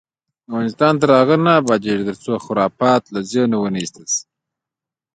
افغانستان تر هغو نه ابادیږي، ترڅو خرافات له ذهنه ونه ایستل شي.